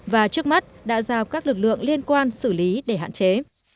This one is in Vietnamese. và trước mắt đã giao các lực lượng liên quan xử lý để hạn chế